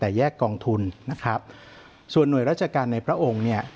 แต่แยกกองทุนนะครับส่วนหน่วยราชการในพระองค์เนี่ย